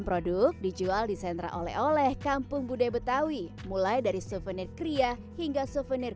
produk dijual di sentra oleh oleh kampung budaya betawi mulai dari souvenir kria hingga souvenir